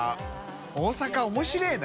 大阪面白いな。